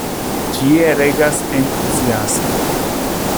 Ĉie regas entuziasmo.